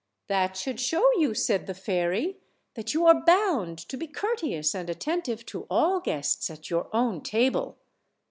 "That should show you," said the fairy, "that you are bound to be courteous and attentive to all guests at your own table.